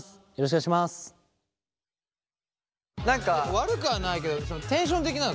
悪くはないけどテンション的なのかなと思った俺。